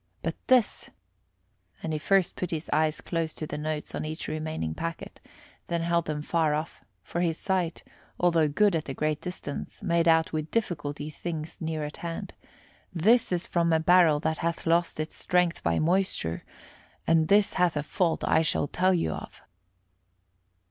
But this " and he first put his eyes close to the notes on each remaining packet, then held them far off, for his sight, although good at a great distance, made out with difficulty things near at hand, "this is from a barrel that hath lost its strength by moisture; and this hath a fault I shall tell you of."